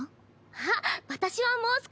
あっ私はもう少し。